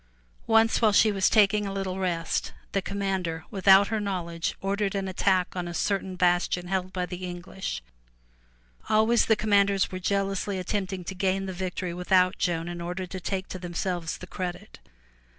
Once while she was taking a little rest, the com mander, without her knowledge, ordered an attack on a certain bastion held by the English. Always the commanders were 311 MY BOOK HOUSE jealously attempting to gain the victory without Joan in order to take to themselves the credit.